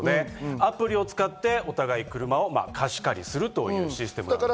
アプリを使って、お互い車を貸し借りするというシステムですね。